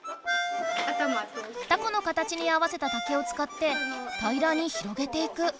タコの形に合わせた竹を使ってたいらに広げていく。